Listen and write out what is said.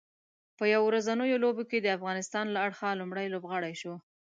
په یو ورځنیو لوبو کې د افغانستان له اړخه لومړی لوبغاړی شو